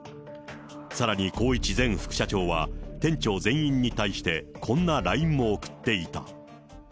さらに宏一前副社長は、店長全員に対して、こんなＬＩＮＥも送っていた。